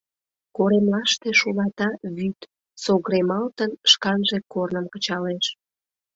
Коремлаште шулата вӱд, согремалтын, шканже корным кычалеш.